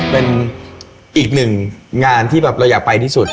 เป็นอีกหนึ่งงานที่แบบเราอยากไปที่สุด